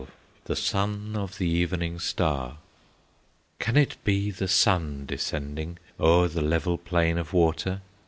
XII The Son of the Evening Star Can it be the sun descending O'er the level plain of water?